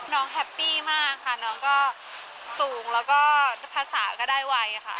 แฮปปี้มากค่ะน้องก็สูงแล้วก็ภาษาก็ได้ไวค่ะ